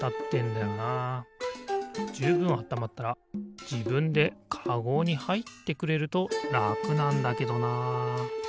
じゅうぶんあったまったらじぶんでカゴにはいってくれるとらくなんだけどな。